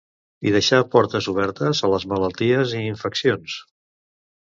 I deixar portes obertes a les malalties i infeccions.